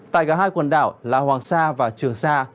tại cả hai quần đảo là hoàng sa và trường sa